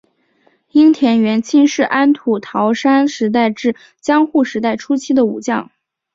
樱田元亲是安土桃山时代至江户时代初期的武将。